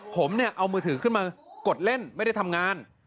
ผมเนี่ยเอามือถือขึ้นมากดเล่นไม่ได้ทำงาน